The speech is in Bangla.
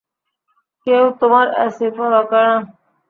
কেউ তোমার এসির পরোয়া করে না।